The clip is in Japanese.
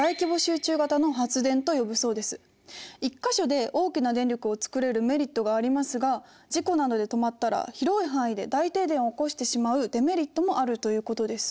一か所で大きな電力を作れるメリットがありますが事故などで止まったら広い範囲で大停電を起こしてしまうデメリットもあるということです。